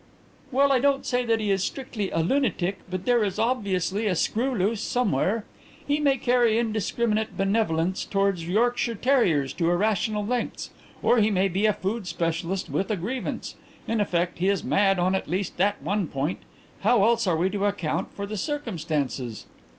"Well, I don't say that he is strictly a lunatic, but there is obviously a screw loose somewhere. He may carry indiscriminate benevolence towards Yorkshire terriers to irrational lengths. Or he may be a food specialist with a grievance. In effect he is mad on at least that one point. How else are we to account for the circumstances?"